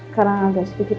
karena agak sedikit lupa